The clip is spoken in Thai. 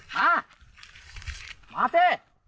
มามาสิ